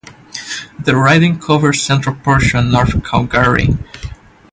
The riding covered central portion of north Calgary.